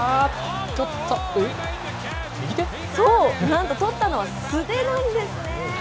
捕った、そう、なんと捕ったのは、素手なんですね。